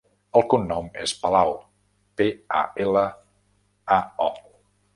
El cognom és Palao: pe, a, ela, a, o.